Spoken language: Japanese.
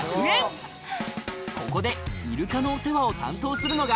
ここでイルカのお世話を担当するのが